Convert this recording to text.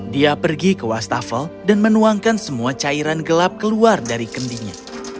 dia pergi ke wastafel dan menuangkan semua cairan gelap keluar dari kendinya